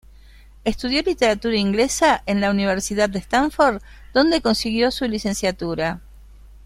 Estudió Literatura inglesa en la Universidad de Stanford donde consiguió su licenciatura.